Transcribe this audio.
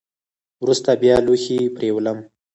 وروسته بیا لوښي پرېولم .